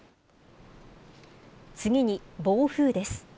次に暴風です。